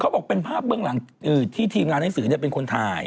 บอกเป็นภาพเบื้องหลังที่ทีมงานหนังสือเป็นคนถ่าย